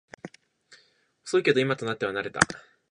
遅いけど今となっては慣れた